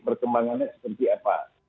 perkembangannya seperti apa